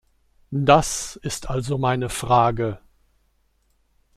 Das ist also meine Frage.